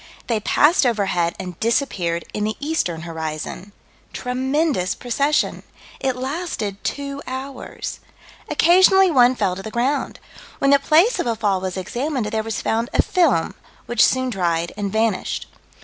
They passed overhead and disappeared in the eastern horizon. Tremendous procession. It lasted two hours. Occasionally one fell to the ground. When the place of a fall was examined, there was found a film, which soon dried and vanished.